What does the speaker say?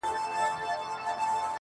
پر جبين باندې لښکري پيدا کيږي,